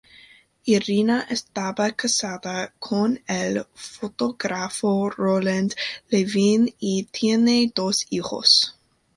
Irina estaba casada con el fotógrafo Roland Levin y tiene dos hijos.